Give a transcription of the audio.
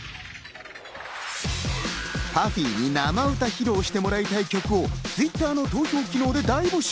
ＰＵＦＦＹに生歌披露してもらいたい曲をＴｗｉｔｔｅｒの投票機能で大募集。